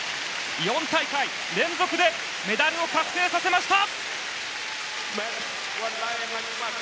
４大会連続でメダルを確定させました。